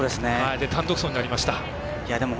単独走になりました。